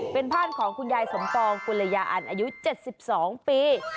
เป็นบ้านของคุณยายสมปองกุลยาอันอายุ๗๒ปี